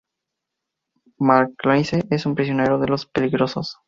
Mackenzie es un prisionero de los peligrosos.